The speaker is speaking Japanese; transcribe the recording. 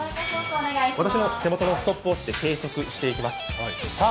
私の手元のストップウォッチで計測していきます。